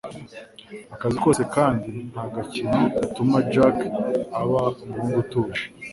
Akazi kose kandi nta gakino gatuma Jack aba umuhungu utuje